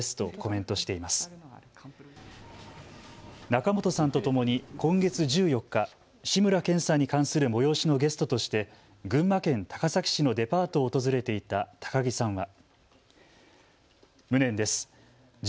仲本さんとともに今月１４日、志村けんさんに関する催しのゲストとして群馬県高崎市のデパートを訪れていた高木さんは。